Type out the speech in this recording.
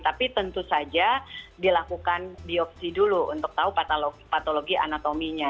tapi tentu saja dilakukan biopsi dulu untuk tahu patologi anatominya